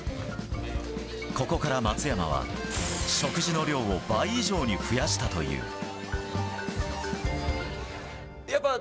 ここから松山は食事の量を倍以上に増やしたという。